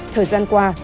thời gian qua